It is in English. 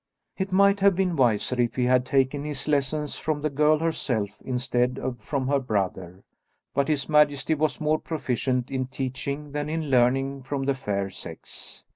It might have been wiser if he had taken his lessons from the girl herself instead of from her brother, but his majesty was more proficient in teaching than in learning from the fair sex.